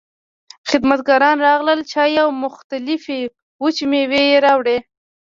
خدمتګاران راغلل، چای او مختلفې وچې مېوې يې راوړې.